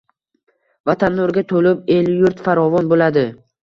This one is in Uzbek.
Vatan nurga to’lib, elu yurt faravon bo’ladi.